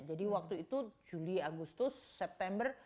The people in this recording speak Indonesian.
jadi waktu itu juli agustus september